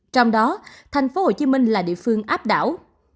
trong đó tp hcm là địa phương áp đảo